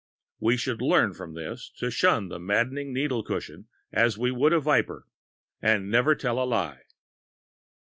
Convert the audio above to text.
We should learn from this to shun the maddening needle cushion as we would a viper, and never tell a lie.